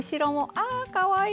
あかわいいね。